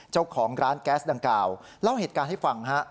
เจ้าของร้านแก๊สดังกล่าวเล่าเหตุการณ์ให้ฟังฮะ